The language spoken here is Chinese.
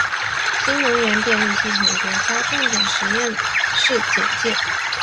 新能源电力系统国家重点实验室简介